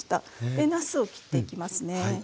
でなすを切っていきますね。